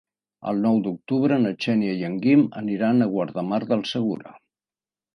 El nou d'octubre na Xènia i en Guim aniran a Guardamar del Segura.